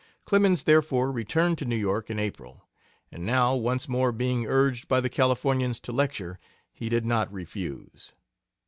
Clemens, therefore, returned to New York in April, and now once more being urged by the Californians to lecture, he did not refuse.